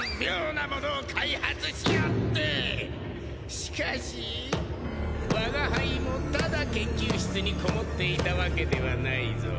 しかし我が輩もただ研究室にこもっていたわけではないぞ。